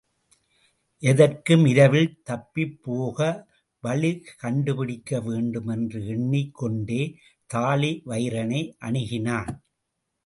எதற்கும் இரவில் தப்பிப்போக வழி கண்டுபிடிக்க வேண்டும் என்று எண்ணிக் கொண்டே தாழிவயிறனை அணுகினான்.